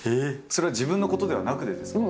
それは自分のことではなくてですか？